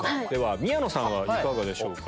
宮野さんはいかがでしょうか。